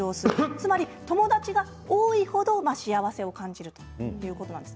つまり、友達が多い程幸せを感じるということなんです。